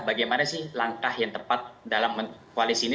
bagaimana sih langkah yang tepat dalam koalisi ini